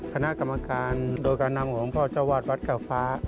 คณะกรรมการโดดการนั่งหลงพ่อเจ้าวัสถ์วัสกฤษภา